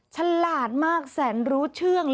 ฉลาดมากแสนรู้เชื่อง